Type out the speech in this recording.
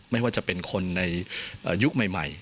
ไม่ว่าจะเป็นคนในยุคใหม่